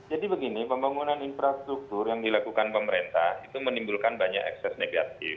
begini pembangunan infrastruktur yang dilakukan pemerintah itu menimbulkan banyak ekses negatif